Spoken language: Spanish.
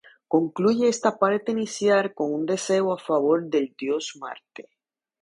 Concluye esta parte inicial con un deseo a favor del dios Marte.